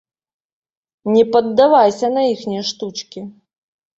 Не паддавайся на іхнія штучкі.